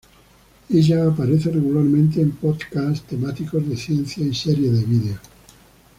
Ella aparece regularmente en podcasts temáticos de ciencia y series de videos.